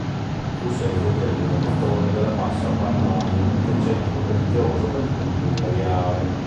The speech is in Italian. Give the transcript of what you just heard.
Fu sede del governatore della Bassa Pannonia e centro religioso del culto imperiale.